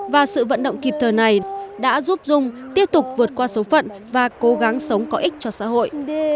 và sự vận động kịp thời này đã giúp dung tiếp tục vượt qua số phận và cố gắng sống có ích cho xã hội